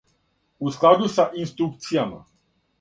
У складу са инструкцијама.